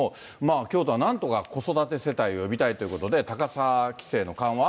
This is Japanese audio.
京都はなんとか子育て世帯を呼びたいということで、高さ規制の緩和。